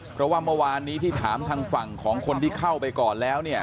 เพราะว่าเมื่อวานนี้ที่ถามทางฝั่งของคนที่เข้าไปก่อนแล้วเนี่ย